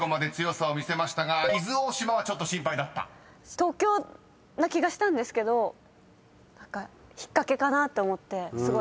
東京な気がしたんですけど何か引っ掛けかなって思ってすごい。